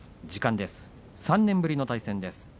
３年ぶりの対戦です。